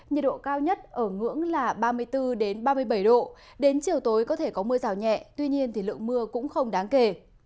nhiệt độ cao nhất ở ngưỡng là ba mươi bốn ba mươi bảy độ đến chiều tối có thể có mưa rào nhẹ tuy nhiên thì lượng mưa cũng không đáng kể